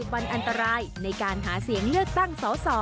วันอันตรายในการหาเสียงเลือกตั้งสส